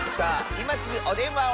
いますぐおでんわを！